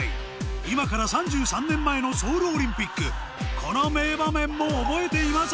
今から３３年前のソウルオリンピックこの名場面も覚えていませんか？